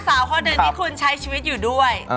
สาวคนหนึ่งที่คุณใช้ชีวิตอยู่ด้วย